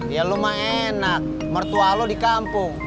ya lu mah enak mertua lu di kampung